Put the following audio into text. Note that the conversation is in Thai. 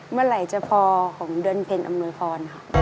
เมื่อไหร่จะพอของเดินเพลงอำนวยฟรครับ